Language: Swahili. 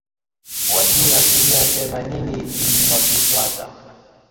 wa dini asilimia themanini ni Wakristo hasa